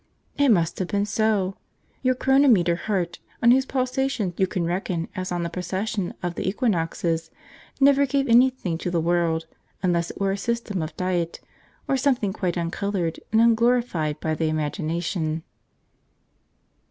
It must have been so. Your chronometer heart, on whose pulsations you can reckon as on the procession of the equinoxes, never gave anything to the world unless it were a system of diet, or something quite uncoloured and unglorified by the imagination.